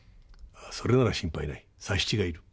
それは心配ない佐七がいる。